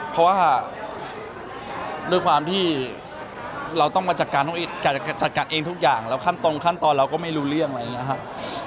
เพราะว่าด้วยความที่เราต้องมาจัดการจัดการเองทุกอย่างแล้วขั้นตรงขั้นตอนเราก็ไม่รู้เรื่องอะไรอย่างนี้ครับ